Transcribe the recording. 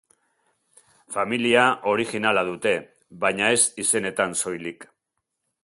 Familia originala dute, baina ez izenetan soilik.